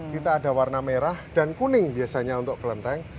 kita ada warna merah dan kuning biasanya untuk kelenteng